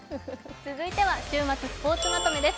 続いては週末スポーツまとめです。